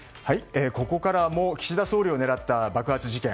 ここからも岸田総理を狙った爆発事件。